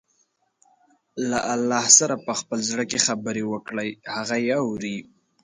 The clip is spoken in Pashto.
له الله سره په خپل زړه کې خبرې وکړئ، هغه يې اوري.